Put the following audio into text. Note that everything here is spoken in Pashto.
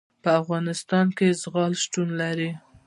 په افغانستان کې زغال شتون لري.